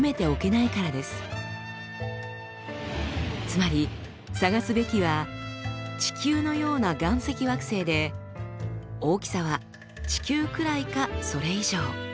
つまり探すべきは「地球のような岩石惑星」で「大きさは地球くらいかそれ以上」